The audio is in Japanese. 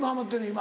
今。